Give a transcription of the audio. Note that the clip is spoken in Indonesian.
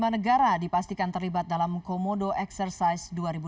tiga puluh lima negara dipastikan terlibat dalam komodo eksersais dua ribu enam belas